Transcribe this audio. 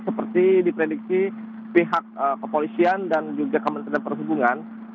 seperti diprediksi pihak kepolisian dan juga kementerian perhubungan